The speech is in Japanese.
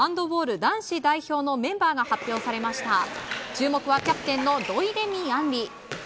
注目はキャプテンの土井レミイ杏利。